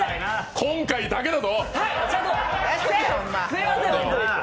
今回だけだぞ！